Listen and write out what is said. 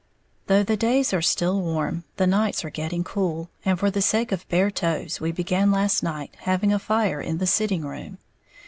_ Though the days are still warm, the nights are getting cool, and for the sake of bare toes we began last night having a fire in the sitting room.